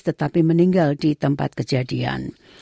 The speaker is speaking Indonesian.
tetapi meninggal di tempat kejadian